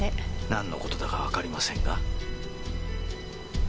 なんの事だかわかりませんが。